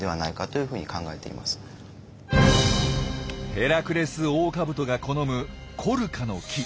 ヘラクレスオオカブトが好むコルカの木。